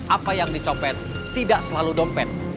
apa yang dicopet tidak selalu dompet